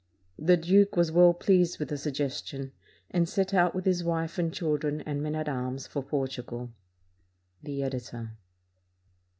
The duke was well pleased with the suggestion, and set out with his wife and children and men at arms for Portugal. The Editor.